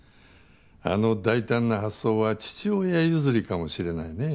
あの大胆な発想は父親譲りかもしれないね。